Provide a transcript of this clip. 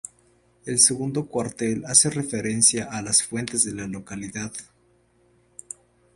El segundo cuartel hace referencia a las fuentes de la localidad.